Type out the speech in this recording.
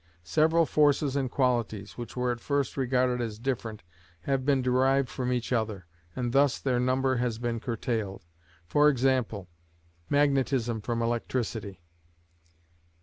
Several forces and qualities, which were at first regarded as different, have been derived from each other, and thus their number has been curtailed. (For example, magnetism from electricity.)